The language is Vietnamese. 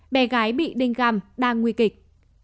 bé gái bị đinh găm đang nguy kịch